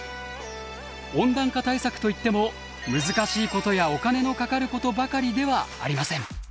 温暖化対策といっても難しいことやお金のかかることばかりではありません。